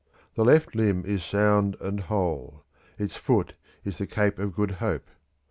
The left limb is sound and whole; its foot is the Cape of Good Hope.